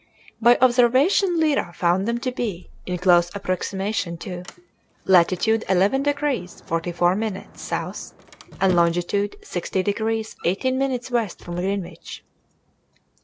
By observation Lyra found them to be (in close approximation to) latitude 11 degrees 44 minutes south and longitude 60 degrees 18 minutes west from Greenwich.